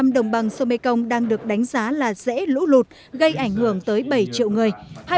một trăm đồng bằng sông mê công đang được đánh giá là dễ lũ lụt gây ảnh hưởng tới bảy triệu người